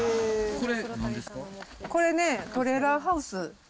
これね、トレーラーハウス。